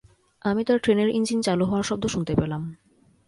আমি তার ট্রেনের ইঞ্জিন চালু হওয়ার শব্দ শুনতে পেলাম।